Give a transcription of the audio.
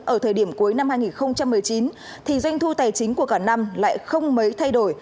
ở thời điểm cuối năm hai nghìn một mươi chín thì doanh thu tài chính của cả năm lại không mấy thay đổi